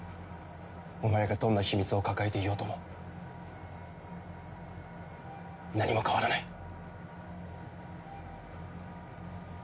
お前がどんな秘密を抱えていようとも何も変わらない！